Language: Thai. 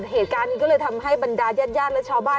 เหตุการณ์นี้ก็เลยทำให้บรรดายาดและชาวบ้าน